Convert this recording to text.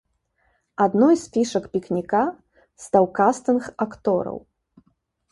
Адной з фішак пікніка стаў кастынг актораў.